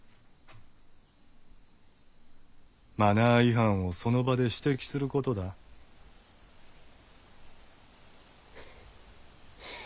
マナー違反をその場で指摘することだッ。